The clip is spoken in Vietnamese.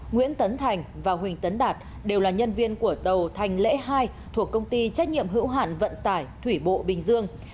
nguyễn tấn thành và huỳnh tấn đạt đều là nhân viên của tàu thành lễ hai thuộc công ty trách nhiệm hữu hạn vận tải thủy bộ bình dương